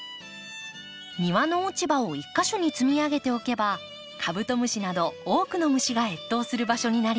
庭の落ち葉を１か所に積み上げておけばカブトムシなど多くの虫が越冬する場所になります。